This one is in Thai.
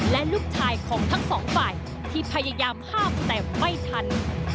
และลูกชายของทั้งสองฝ่ายที่พยายามห้ามแต่ไม่ทัน